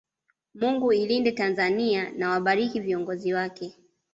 Mungu ilinde Tanzania na wabariki viongozi wake